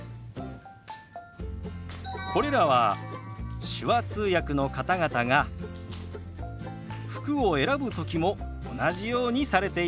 これらは手話通訳の方々が服を選ぶ時も同じようにされているんですよ。